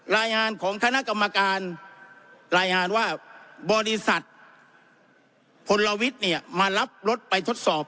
รายงานของคณะกรรมการรายงานว่าบริษัทพลวิทย์เนี่ยมารับรถไปทดสอบ